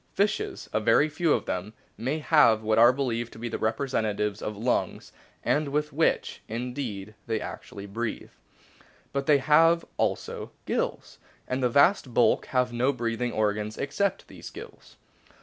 Fishes a very few of them may have what are believed to be the representatives of lungs, and with which, indeed, they actually breathe ; but they have also gills, and the vast bulk have no breathing organs except these gills.